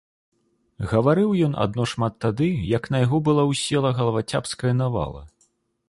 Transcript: Гаварыў ён адно шмат тады, як на яго была ўссела галавацяпская навала.